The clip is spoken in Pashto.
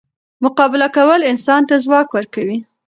مقابله کول انسان ته ځواک ورکوي.